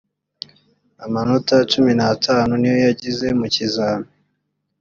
amanota cumi n’atanu niyo yagize mu kizami